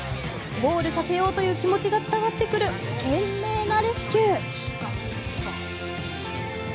ゴールさせようという気持ちが伝わってくる懸命なレスキュー。